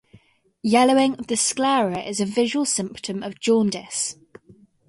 Yellowing of the sclera is a visual symptom of jaundice.